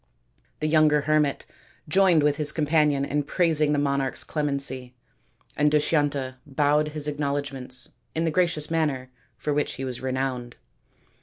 The younger hermit joined with his companion in praising the monarch's clemency, and Dushyanta bowed his acknowledg ments in the gracious manner for which he was renowned.